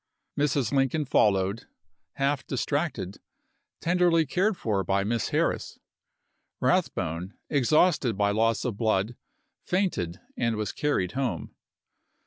Mrs. Lincoln followed, half distracted, tenderly cared for by Miss Harris. Eathbone, exhausted by loss of blood, fainted, and was carried home.